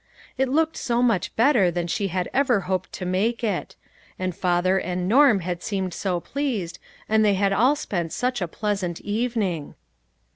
It looked so much bet ter than she had ever hoped to make it; and father and Norm had seemed so pleased, and they had all spent such a pleasant evening.